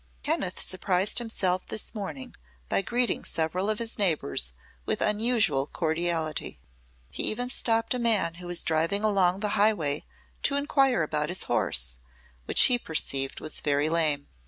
Kenneth surprised himself this morning by greeting several of his neighbors with unusual cordiality. He even stopped a man who was driving along the highway to inquire about his horse, which he perceived was very lame.